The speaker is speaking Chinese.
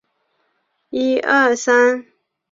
卢比安人口变化图示